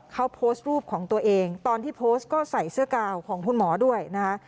เขาโพสต์รูปของตัวเองตอนที่โพสต์ก็ใส่เสื้อกาวของคุณหมอด้วยนะคะ